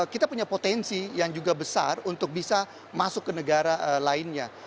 kita punya potensi yang juga besar untuk bisa masuk ke negara lainnya